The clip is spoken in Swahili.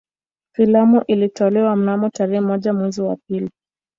Filamu ilitolewa mnamo tarehe moja mwezi wa pili